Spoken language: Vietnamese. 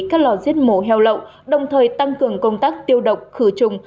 các lò giết mổ heo lậu đồng thời tăng cường công tác tiêu độc khử trùng